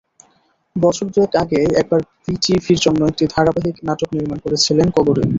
বছর দু-এক আগে একবার বিটিভির জন্য একটি ধারাবাহিক নাটক নির্মাণ করেছিলেন কবরী।